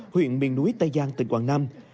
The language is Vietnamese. huyện miền núi tây giang tỉnh quảng nam